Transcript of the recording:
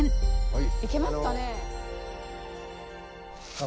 行けますかね？